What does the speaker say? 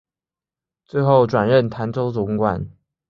最后转任澶州总管。